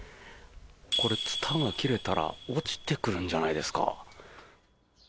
これ、ツタが切れたら落ちてくるんじゃないですか。